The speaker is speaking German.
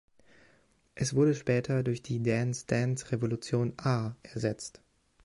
Es wurde später durch die Dance-Dance-Revolution A ersetzt.